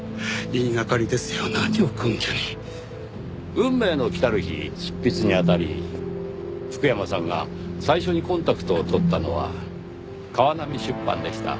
『運命の来たる日』執筆にあたり福山さんが最初にコンタクトを取ったのは川波出版でした。